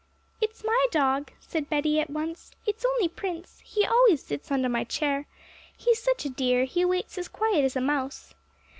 'It's my dog,' said Betty at once; 'it's only Prince; he always sits under my chair; he's such a dear, he waits as quiet as a mouse.'